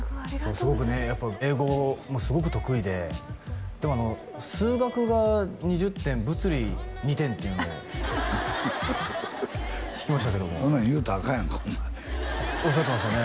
すごくねやっぱ英語もすごく得意ででも数学が２０点物理２点というのを聞きましたけども言うたらあかんやんかおまえおっしゃってましたね